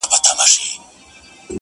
د زلمیو تویېدل پکښي سرونه -